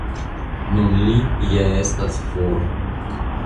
Nun li ja estas for.